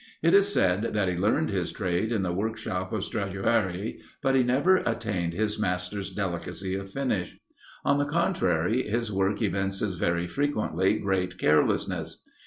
It is said that he learned his trade in the workshop of Stradiuari, but he never attained his master's delicacy of finish; on the contrary, his work evinces very frequently great carelessness.